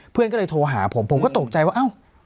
เพื่อนก็เลยโทรหาผมผมก็ตกใจว่าเอ้า